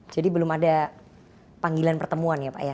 jadi belum ada panggilan pertemuan ya pak